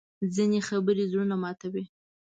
ځینې خبرې زړونه ماتوي